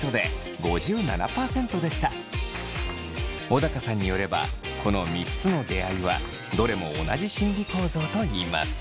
小高さんによればこの３つの出会いはどれも同じ心理構造といいます。